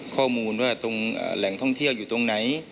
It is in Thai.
ข้อมูลว่าตรงแหล่งท่องเที่ยวอยู่ตรงไหน